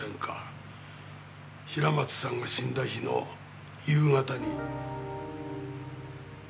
平松さんが死んだ日の夕方に。